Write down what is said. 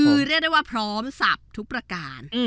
คือเรียกได้ว่าพร้อมสับทุกประการ